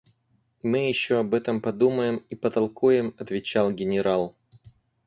– Мы еще об этом подумаем и потолкуем, – отвечал генерал.